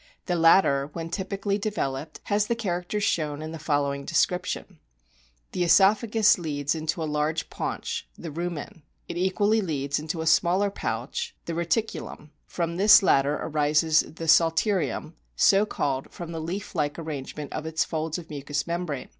The latter, when typically developed, has the charac ters shown in the following description : The oesophagus leads into a large paunch, the rumen ; it equally leads into a smaller pouch, the reticulum ; from this latter arises the psalterium, so called from the leaf like arrangement of its folds of mucous membrane.